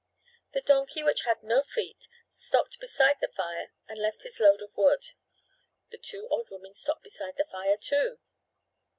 The donkey which had no feet stopped beside the fire and left his load of wood. The two old women stopped beside the fire, too.